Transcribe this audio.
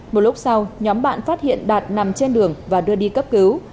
một lúc sau nhóm bạn phát hiện đạt nằm trên đường và đưa đi cấp cứu